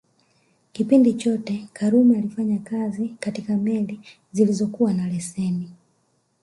Kipindi chote Karume alifanya kazi katika meli zilizokuwa na leseni